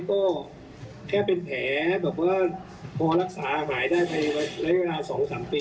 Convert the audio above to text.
ก็แค่เป็นแผลก็พอรักษาลักษาหายได้ตัวแค่๒๓ปี